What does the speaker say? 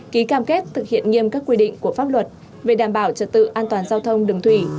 ký cam kết thực hiện nghiêm các quy định của pháp luật về đảm bảo trật tự an toàn giao thông đường thủy